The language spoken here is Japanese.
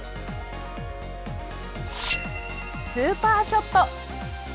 スーパーショット。